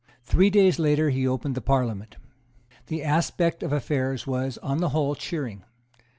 Three days later he opened the Parliament. The aspect of affairs was, on the whole, cheering.